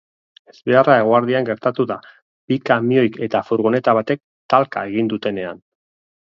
Ezbeharra eguerdian gertatu da, bi kamioik eta furgoneta batek talka egin dutenean.